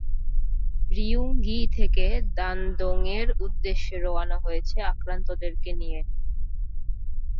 রিয়ুং গি থেকে দানদোংয়ের উদ্দেশ্য রওনা হয়েছে আক্রান্তদেরকে নিয়ে।